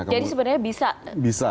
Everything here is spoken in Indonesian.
jadi sebenarnya bisa